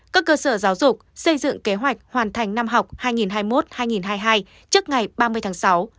các cơ sở giáo dục xây dựng kế hoạch hoàn thành năm học hai nghìn hai mươi một hai nghìn hai mươi hai trước ngày ba mươi tháng sáu